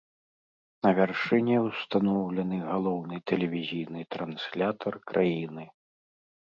На вяршыні ўстаноўлены галоўны тэлевізійны транслятар краіны.